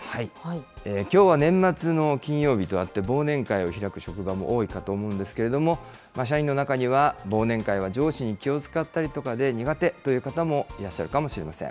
きょうは年末の金曜日とあって、忘年会を開く職場も多いかと思うんですけれども、社員の中には、忘年会は上司に気を遣ったりとかで苦手という方もいらっしゃるかもしれません。